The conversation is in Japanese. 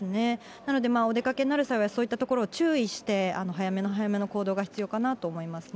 なので、お出かけになる際は、そういったところを注意して、早めの早めの行動が必要かなと思いますね。